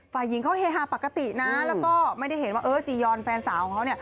ฝ่ายหญิงเขาเฮฮาปกตินะแล้วก็ไม่ได้เห็นว่าเออจียอนแฟนสาวของเขาเนี่ย